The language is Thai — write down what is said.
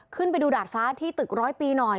ขึ้นไปดูดาดฟ้าที่ตึกร้อยปีหน่อย